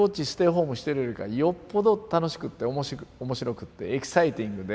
ホームしてるよりかよっぽど楽しくって面白くてエキサイティングで。